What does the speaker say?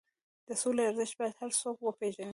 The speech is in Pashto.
د سولې ارزښت باید هر څوک وپېژني.